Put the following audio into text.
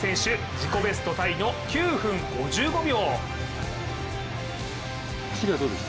自己ベストタイの９分５５秒。